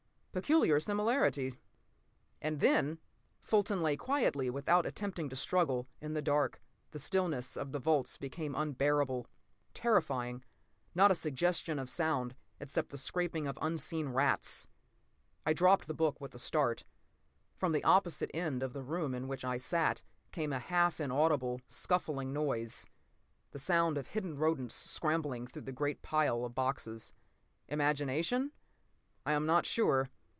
Peculiar similarity! And then: "Fulton lay quietly, without attempt to struggle. In the dark, the stillness of the vaults became unbearable, terrifying. Not a suggestion of sound, except the scraping of unseen rats—" I dropped the book with a start. From the opposite end of the room in which I sat came a half inaudible scuffling noise—the sound of hidden rodents scrambling through the great pile of boxes. Imagination? I am not sure.